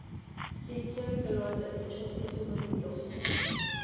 Quien quiera que lo haya dicho es un mentiroso".